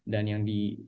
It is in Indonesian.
dan yang di